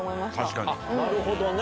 なるほどね。